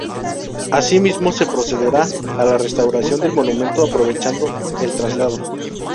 Asimismo, se procederá a la restauración del monumento aprovechando el traslado.